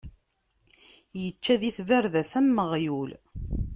Ičča di tbarda-s, am uɣyul.